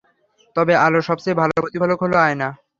তবে আলোর সবচেয়ে ভালো প্রতিফলক হলো আয়না।